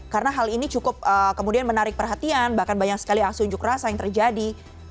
karena hal ini cukup kemudian menarik perhatian bahkan banyak sekali asunjuk rasa yang terjadi